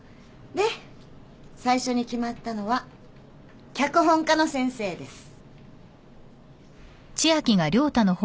で最初に決まったのは脚本家の先生です。